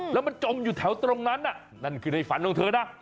แล้วมันจมอยู่แถวตรงนั้นน่ะนั่นคือในฝันของเธอนะ